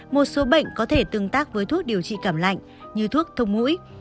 một số bệnh có thể tương tác với thuốc điều trị cảm lạnh như thuốc thông mũi